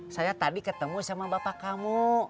saya tadi ketemu sama bapak kamu